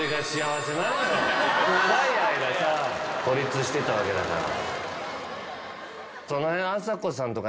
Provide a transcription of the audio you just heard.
長い間さ孤立してたわけだから。